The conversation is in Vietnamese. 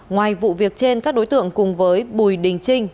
ngoài vụ việc trên các đối tượng cùng với bùi đình trinh